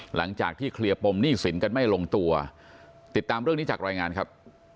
หลังจากที่เคลียร์ปมหนี้สินกันไม่ลงตัวติดตามเรื่องนี้จากรายงานครับ